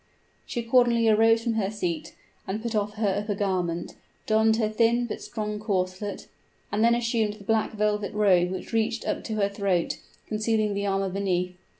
She accordingly arose from her seat put off her upper garment donned her thin but strong corselet and then assumed the black velvet robe which reached up to her throat, concealing the armor beneath.